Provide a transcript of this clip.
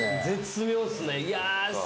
絶妙っすね。